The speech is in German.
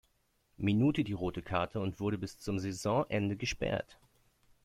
Minute die Rote Karte und wurde bis zum Saisonende gesperrt.